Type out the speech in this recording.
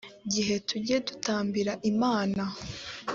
gihe tujye dutambira imana